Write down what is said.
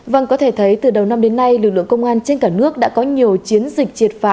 vâng có thể thấy từ đầu năm đến nay lực lượng công an trên cả nước đã có nhiều chiến dịch triệt phá